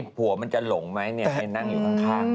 หัวมันจะหลงไหมเนี่ยไม่ได้นั่งอยู่ข้าง